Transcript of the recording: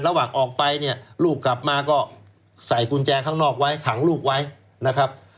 ระหว่างออกไปเนี่ยลูกกลับมาก็ใส่กุญแจข้างนอกไว้ขังลูกไว้นะครับ